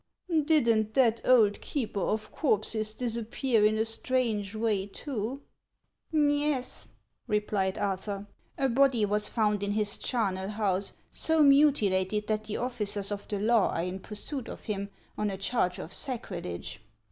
" Did n't that old keeper of corpses disappear in a strange way, too ?"" Yes," replied Arthur ;" a body was found in his char nel house so mutilated that the officers of the law are in pursuit of him on a charge of sacrilege.